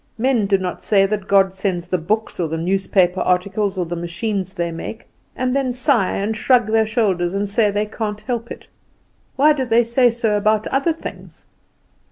Men do not say God sends the books, or the newspaper articles, or the machines they make; and then sigh, and shrug their shoulders and say they can't help it. Why do they say so about other things?